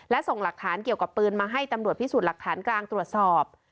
และส่งหลักฐานเกี่ยวกับปืนมาให้ตำรวจพิสูจน์หลักฐานกลางตรวจสอบ